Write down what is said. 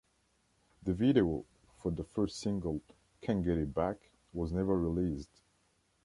The video for the first single "Can't Get It Back" was never released.